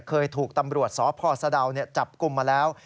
เคยถูกตำรวจสพสะดาวจับกลุ่มมาแล้ว